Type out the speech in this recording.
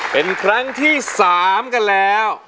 เป็นครั้งที่๓กันแล้ว